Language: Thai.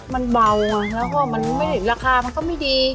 มันเบาแล้วก็ราคามันก็ไม่ดี